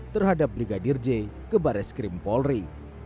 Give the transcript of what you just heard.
terhadap brigadir j ke baris krim polri